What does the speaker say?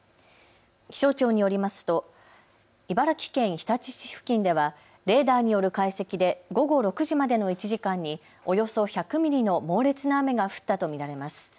気象庁によりますと茨城県日立市付近ではレーダーによる解析で午後６時までの１時間におよそ１００ミリの猛烈な雨が降ったと見られます。